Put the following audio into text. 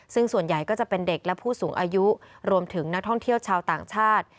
ซึ่งส่วนใหญ่ก็จะเป็นเด็กและผู้สูงอายุรวมถึงนักท่องเที่ยวชาวต่างชาติ